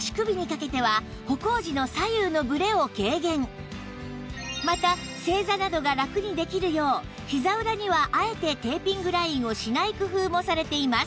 さらにまた正座などがラクにできるようひざ裏にはあえてテーピングラインをしない工夫もされています